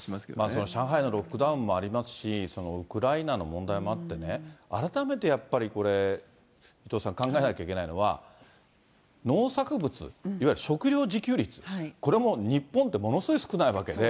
その上海のロックダウンもありますし、ウクライナの問題もあってね、改めてやっぱり伊藤さん、考えなきゃいけないのは、農作物、いわゆる食料自給率、これも日本ってものすごい少ないわけで。